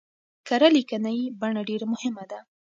کره ليکنۍ بڼه ډېره مهمه ده.